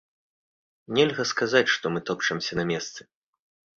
Нельга сказаць, што мы топчамся на месцы.